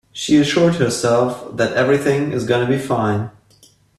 She assured herself that everything is gonna be fine.